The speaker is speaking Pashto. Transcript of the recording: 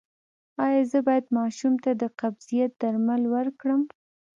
ایا زه باید ماشوم ته د قبضیت درمل ورکړم؟